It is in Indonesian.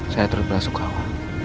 saya turut berbelasukawa